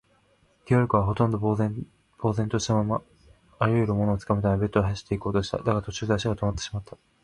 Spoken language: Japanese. ゲオルクは、ほとんど呆然ぼうぜんとしたまま、あらゆるものをつかむためベッドへ走っていこうとした。だが、途中で足がとまってしまった。